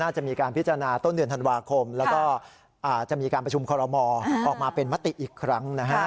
จะมีการพิจารณาต้นเดือนธันวาคมแล้วก็จะมีการประชุมคอรมอออกมาเป็นมติอีกครั้งนะฮะ